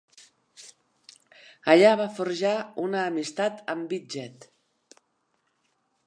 Allà va forjar una amistat amb Widget.